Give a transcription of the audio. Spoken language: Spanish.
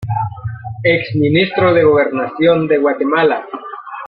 Ex Ministro de Gobernación de Guatemala.